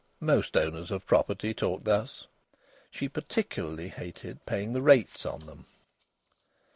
Most owners of property talk thus. She particularly hated paying the rates on them.